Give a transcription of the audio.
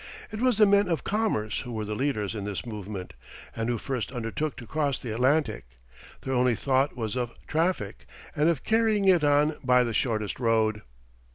It was the men of commerce who were the leaders in this movement, and who first undertook to cross the Atlantic. Their only thought was of traffic, and of carrying it on by the shortest road.